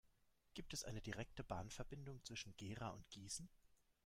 Gibt es eine direkte Bahnverbindung zwischen Gera und Gießen?